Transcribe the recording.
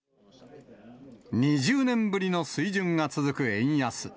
２０年ぶりの水準が続く円安。